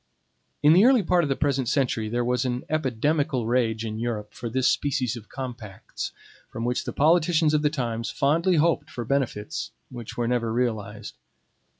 In the early part of the present century there was an epidemical rage in Europe for this species of compacts, from which the politicians of the times fondly hoped for benefits which were never realized.